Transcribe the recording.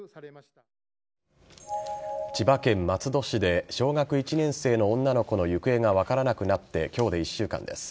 千葉県松戸市で小学１年生の女の子の行方が分からなくなって今日で１週間です。